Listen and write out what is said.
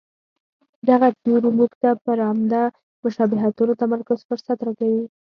دغه تیوري موږ ته پر عمده مشابهتونو تمرکز فرصت راکوي.